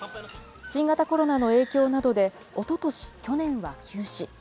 新型コロナの影響などで、おととし、去年は休止。